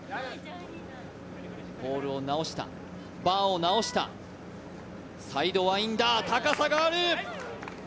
ポールを直した、バーを直した、サイドワインダー、高さがある。